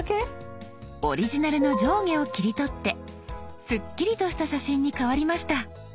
オリジナルの上下を切り取ってスッキリとした写真に変わりました。